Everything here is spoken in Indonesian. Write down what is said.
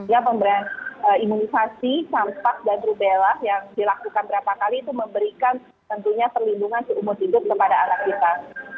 ya pemberian imunisasi campak dan rubella yang dilakukan berapa kali itu memberikan tentunya perlindungan seumur hidup kepada anak kita